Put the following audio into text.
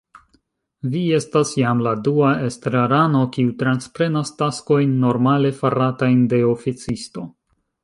Vi estas jam la dua estrarano, kiu transprenas taskojn normale faratajn de oficisto.